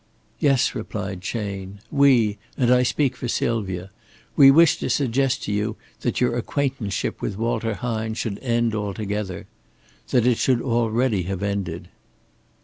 "Yes," replied Chayne. "We and I speak for Sylvia we wish to suggest to you that your acquaintanceship with Walter Hine should end altogether that it should already have ended."